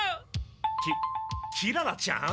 キキララちゃん？